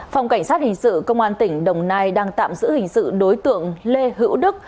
phòng cảnh sát hình sự công an tỉnh đồng nai đang tạm giữ hình sự đối tượng lê hữu đức